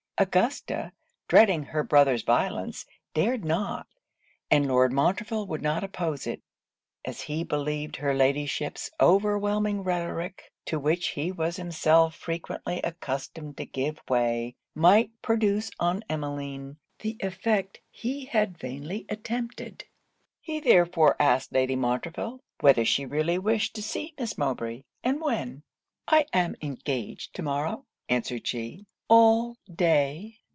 Augusta, dreading her brother's violence, dared not, and Lord Montreville would not oppose it, as he believed her Ladyship's overwhelming rhetoric, to which he was himself frequently accustomed to give way, might produce on Emmeline the effect he had vainly attempted. He therefore asked Lady Montreville, whether she really wished to see Miss Mowbray, and when? 'I am engaged to morrow,' answered she, 'all day.